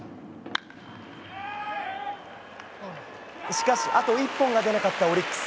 しかし、あと一本が出なかったオリックス。